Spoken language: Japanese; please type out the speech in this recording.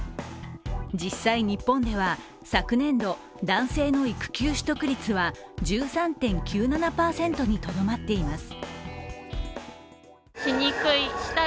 実際、日本では昨年度、男性の育休取得率は１３．９７％にとどまっています。